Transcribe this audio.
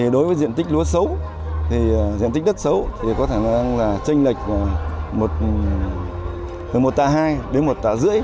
đối với diện tích đất xấu có thể là tranh lệch từ một tạ hai đến một tạ rưỡi